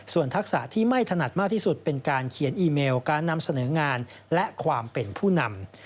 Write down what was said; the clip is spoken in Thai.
ส่วนทักษะที่ไม่ถนัดมากที่สุดเป็นการเขียนอีเมลการนำเสนองานและความเป็นผู้นำ